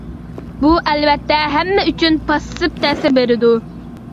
بۇ ئەلۋەتتە ھەممە ئۈچۈن پاسسىپ تەسىر بېرىدۇ.